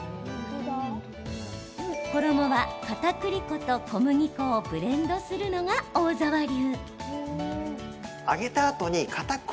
衣は、かたくり粉と小麦粉をブレンドするのが大澤流。